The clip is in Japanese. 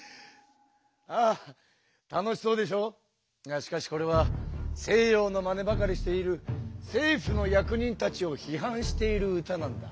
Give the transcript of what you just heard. しかしこれは西洋のまねばかりしている政府の役人たちを批判している歌なんだ。